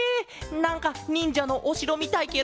なんかにんじゃのおしろみたいケロ！